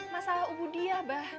masalah ubudiyah bah